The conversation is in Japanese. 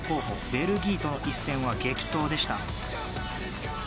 ベルギーとの一戦は激闘でした。